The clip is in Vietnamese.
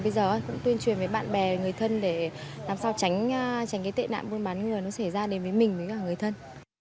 bây giờ cũng tuyên truyền với bạn bè người thân để làm sao tránh tệ nạn buôn bán người nó xảy ra đến với mình và người thân